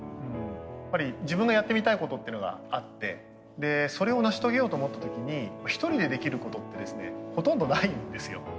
やっぱり自分のやってみたいことっていうのがあってそれを成し遂げようと思った時に一人でできることってですねほとんどないんですよ。